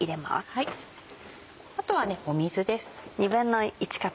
あとはね水です。